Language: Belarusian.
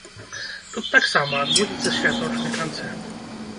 Тут таксама адбудзецца святочны канцэрт.